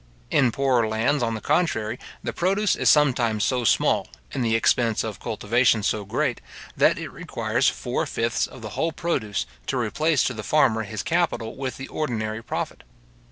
In poorer lands, on the contrary, the produce is sometimes so small, and the expense of cultivation so great, that it requires four fifths of the whole produce, to replace to the farmer his capital with the ordinary profit.